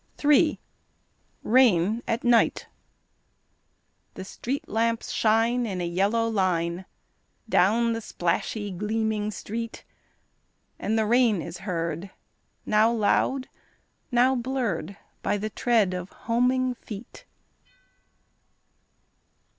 III Rain at Night The street lamps shine in a yellow line Down the splashy, gleaming street, And the rain is heard now loud now blurred By the tread of homing feet.